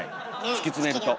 突き詰めると。